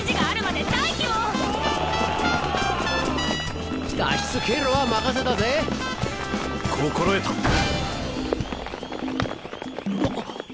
あっ。